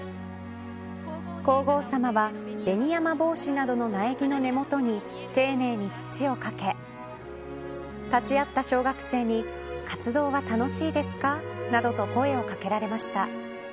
皇后さまはベニヤマボウシなどの苗木の根元に丁寧に土をかけ立ち会った小学生に活動は楽しいですかなどと声をかけられました。